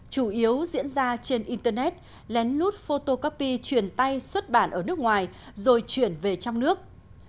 chủ yếu diễn ra trên internet lén lút photocopy truyền tay xuất bản ở nước ngoài rồi chuyển về trong nước